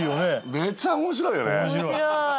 めちゃ面白いよね。